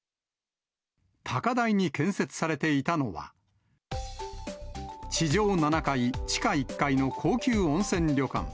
高台に建設されていたのは、地上７階、地下１階の高級温泉旅館。